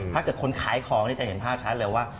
ถ้าเกิดคนขายของจะเห็นภาพชัดเลยว่า